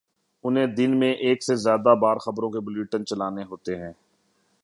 انہیں دن میں ایک سے زیادہ بار خبروں کے بلیٹن چلانا ہوتے ہیں۔